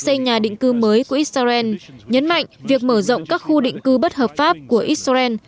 xây nhà định cư mới của israel nhấn mạnh việc mở rộng các khu định cư bất hợp pháp của israel